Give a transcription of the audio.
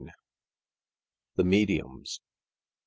THE '''MEDIUMS."